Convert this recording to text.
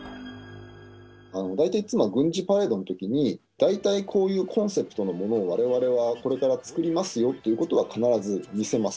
大体いつも軍事パレードのときに、大体こういうコンセプトのものをわれわれはこれから作りますよということは必ず見せます。